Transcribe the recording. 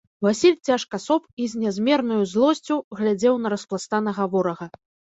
Васіль цяжка соп і з нязмернаю злосцю глядзеў на распластанага ворага.